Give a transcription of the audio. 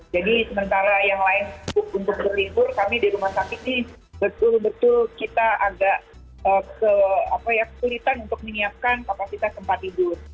jadi sementara yang lain untuk berlingkur kami di rumah sakit ini betul betul kita agak kesulitan untuk menyiapkan kapasitas tempat tidur